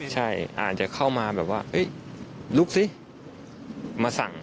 ใช่อาจจะเข้ามาแบบว่าลุกสิมาสั่ง